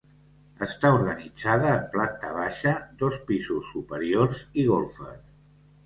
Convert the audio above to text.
Està organitzada en planta baixa, dos pisos superiors i golfes.